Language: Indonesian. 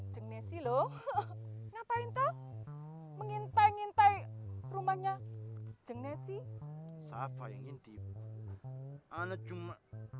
jengnesi loh ngapain kau mengintai ngintai rumahnya jengnesi safa yang ngintip anak cuma